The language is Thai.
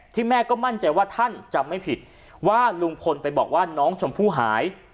แม่ก็มั่นใจว่าท่านจำไม่ผิดว่าลุงพลไปบอกว่าน้องชมพู่หาย